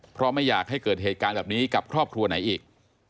เพราะไม่อยากให้เกิดเหตุการณ์แบบนี้กับครอบครัวไหนอีก